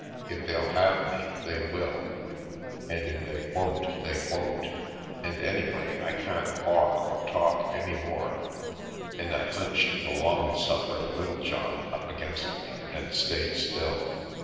If they'll have me they will, and if they won't they won't, and anyway, I can't walk or talk any more." And I hunched the long suffering Littlejohn up against me and stayed still.